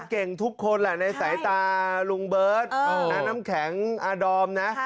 เก่งทุกคนแหละในสายตาลุงเบิร์ตนะน้ำแข็งอาดอมนะ